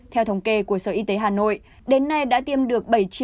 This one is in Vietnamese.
theo thống kê của sở y tế hà nội đến nay đã tiêm được bảy một trăm hai mươi